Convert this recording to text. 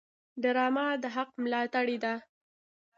ډرامه د حق ملاتړې ده